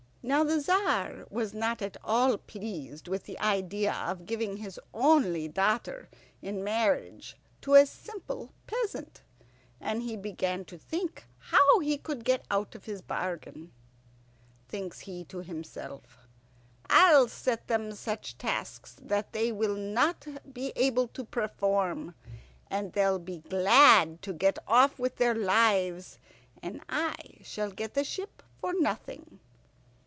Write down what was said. Now the Tzar was not at all pleased with the idea of giving his only daughter in marriage to a simple peasant, and he began to think how he could get out of his bargain. Thinks he to himself, "I'll set them such tasks that they will not be able to perform, and they'll be glad to get off with their lives, and I shall get the ship for nothing."